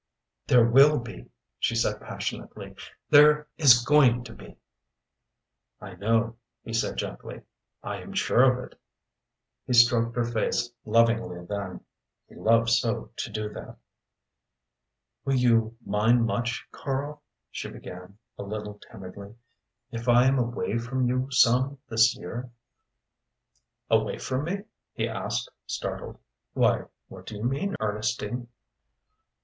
"There will be!" she said passionately. "There is going to be." "I know," he said gently. "I am sure of it." He stroked her face lovingly then. He loved so to do that. "Will you mind much, Karl," she began, a little timidly, "if I am away from you some this year?" "Away from me?" he asked, startled. "Why, what do you mean, Ernestine?"